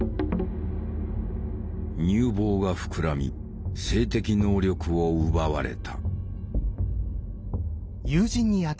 乳房が膨らみ性的能力を奪われた。